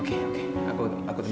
aku akan mencoba